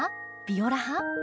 ビオラ派？